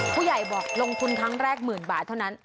ผู้ใหญ่บอกลงทุนครั้งแรกหมื่นบาทเท่านั้น